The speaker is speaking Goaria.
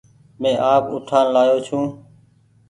مينٚ آپ اُٺآن لآيو ڇوٚنٚ